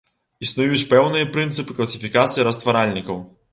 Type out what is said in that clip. Існуюць пэўныя прынцыпы класіфікацыі растваральнікаў.